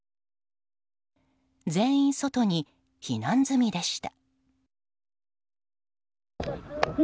全員、外に避難済みでした。